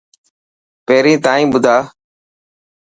پهرين تائن ٻڌان ٿو.